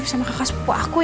saya catat dulu deh